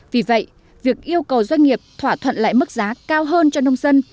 vì vậy việc yêu cầu doanh nghiệp thỏa thuận lại mức giá cao hơn cho nông dân